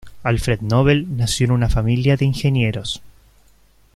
Alfred Nobel nació en una familia de ingenieros.